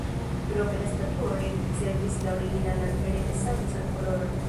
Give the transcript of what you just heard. Krome la statuo rericevis la originalan renesancan koloron.